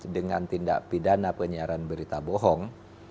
dengan tindak pidana penyiaran berita bohong